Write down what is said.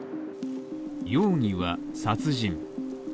容疑は殺人。